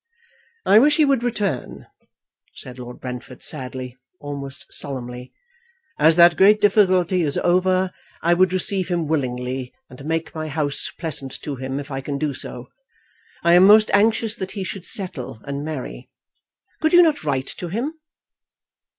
"I wish he would return," said Lord Brentford sadly, almost solemnly. "As that great difficulty is over, I would receive him willingly, and make my house pleasant to him, if I can do so. I am most anxious that he should settle, and marry. Could you not write to him?"